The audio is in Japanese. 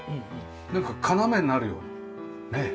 なんか要になるよねえ。